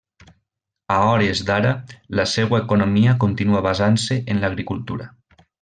A hores d'ara la seua economia continua basant-se en l'agricultura.